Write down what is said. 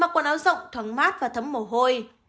mặc quần áo rộng thoáng mát và thấm mồ hôi